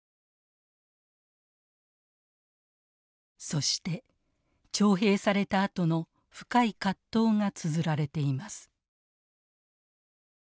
そして徴兵されたあとの深い葛藤がつづられています。